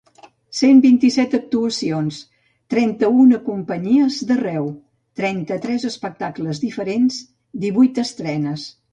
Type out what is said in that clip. Cent vint-i-set actuacions, trenta-una companyies d’arreu, trenta-tres espectacles diferents, divuit estrenes.